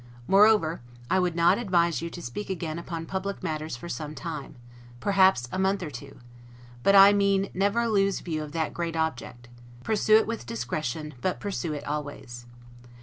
Moreover, I would not advise you to speak again upon public matters for some time, perhaps a month or two; but I mean, never lose view of that great object; pursue it with discretion, but pursue it always.